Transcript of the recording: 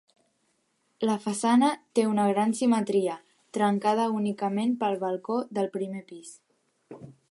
La façana té una gran simetria, trencada únicament pel balcó del primer pis.